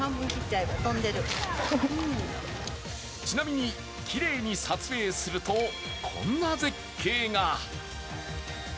ちなみに、きれいに撮影すると、こんな絶景が。